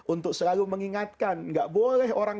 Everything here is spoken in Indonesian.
untuk selalu mengingatkan nggak boleh orang